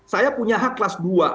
saya punya hak kelas dua